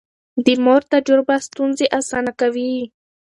د مور تجربه ستونزې اسانه کوي.